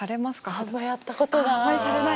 あんまやったことない。